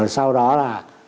sau đó là